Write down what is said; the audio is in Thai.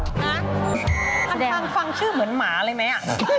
พันทางฟังชื่อเหมือนหมาอะไรไหม